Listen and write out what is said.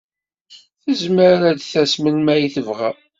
Tezmer ad d-tas melmi ay tebɣa.